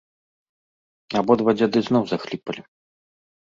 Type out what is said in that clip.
Абодва дзяды зноў захліпалі.